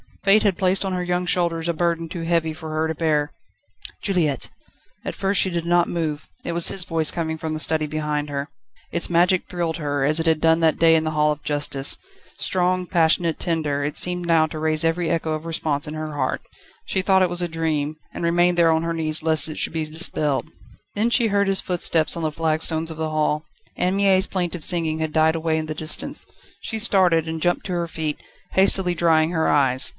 Fate had placed on her young shoulders a burden too heavy for her to bear. "Juliette!" At first she did not move. It was his voice coming from the study behind her. Its magic thrilled her, as it had done that day in the Hall of Justice. Strong, passionate, tender, it seemed now to raise every echo of response in her heart. She thought it was a dream, and remained there on her knees lest it should be dispelled. Then she heard his footsteps on the flagstones of the hall. Anne Mie's plaintive singing had died away in the distance. She started, and jumped to her feet, hastily drying her eyes.